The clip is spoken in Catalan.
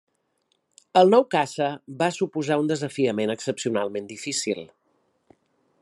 El nou caça va suposar un desafiament excepcionalment difícil.